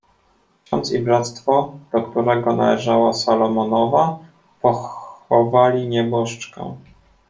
"Ksiądz i bractwo, do którego należała Salomonowa, pochowali nieboszczkę."